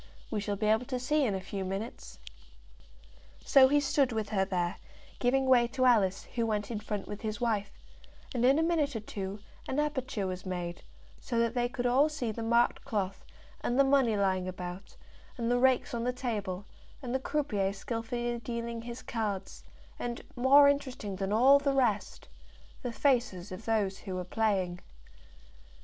"We shall be able to see in a few minutes." So he stood with her there, giving way to Alice, who went in front with his wife; and in a minute or two an aperture was made, so that they could all see the marked cloth, and the money lying about, and the rakes on the table, and the croupier skilfully dealing his cards, and, more interesting than all the rest, the faces of those who were playing.